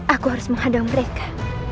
aku harus menghadang mereka